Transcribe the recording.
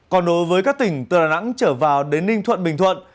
còn đối với các tỉnh từ đà nẵng trở vào đến ninh thuận bình thuận